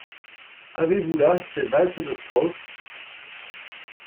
Avez-vous là ces valses de Strauss ?